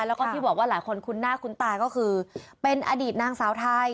แล้วก็ที่บอกว่าหลายคนคุ้นหน้าคุ้นตาก็คือเป็นอดีตนางสาวไทย